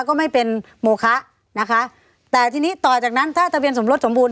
ก็ไม่เป็นโมคะนะคะแต่ทีนี้ต่อจากนั้นถ้าทะเบียนสมรสสมบูรณ